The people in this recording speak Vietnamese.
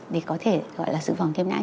để có thể gọi là sự phòng viêm não